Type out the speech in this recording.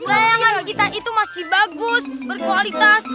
layangan kita itu masih bagus berkualitas